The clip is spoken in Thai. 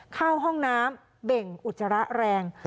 เข้าห้องน้ำเบ่งอุจจาระแรง